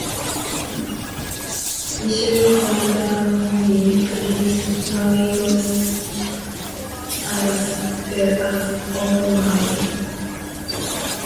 Michael Hordern plays Marley's ghost, as well as old Marley.